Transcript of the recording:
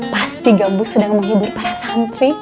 pasti gabus sedang menghibur para santri